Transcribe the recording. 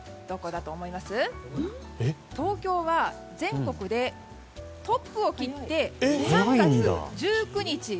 東京は全国でトップを切って３月１９日